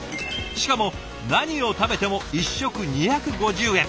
しかも何を食べても１食２５０円。